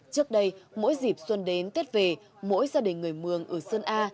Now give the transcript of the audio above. trước đây mỗi dịp xuân đến tết về mỗi gia đình người mường ở sơn a